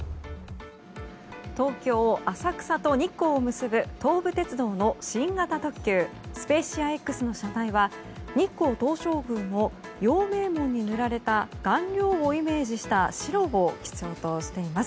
東京・浅草と日光を結ぶ東武鉄道の新型特急「スペーシアＸ」の車体は日光東照宮の陽明門に塗られた顔料をイメージした白を基調としています。